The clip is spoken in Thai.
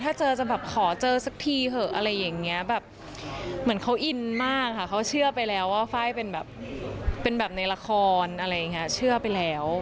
ถ้าเจอจะแบบขอเจอสักทีเถอะอะไรอย่างนี้แบบเหมือนเขาอินมากค่ะเขาเชื่อไปแล้วว่าไฟล์เป็นแบบเป็นแบบในละครอะไรอย่างนี้เชื่อไปแล้ว